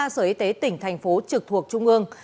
sáu mươi ba sở y tế tỉnh thành phố trực thuộc trung ương